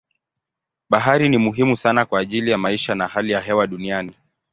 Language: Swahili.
Bahari ni muhimu sana kwa ajili ya maisha na hali ya hewa duniani.